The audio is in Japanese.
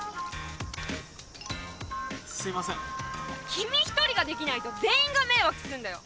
君１人ができないと全員が迷惑すんだよ。